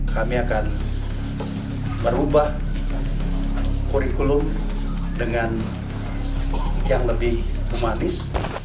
kami akan berubah kurikulum dengan yang lebih humanis